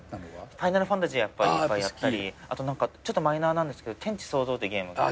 『ファイナルファンタジー』いっぱいやったりあとちょっとマイナーなんですけど『天地創造』ってゲーム。